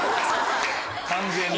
完全に。